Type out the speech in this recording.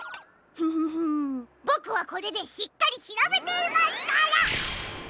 フフフボクはこれでしっかりしらべていますから！